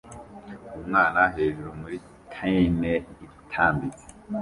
Umwana hejuru muri tine itambitse